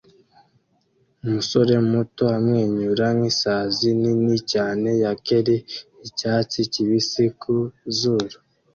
Umusore muto amwenyura nk'isazi nini cyane ya kelly icyatsi kibisi ku zuru